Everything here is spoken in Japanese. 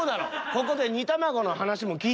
ここで？